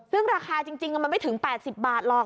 ซึ่งราคาจริงมันไม่ถึง๘๐บาทหรอก